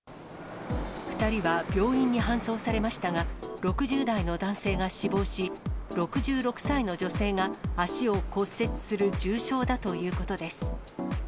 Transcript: ２人は病院に搬送されましたが、６０代の男性が死亡し、６６歳の女性が足を骨折する重傷だということです。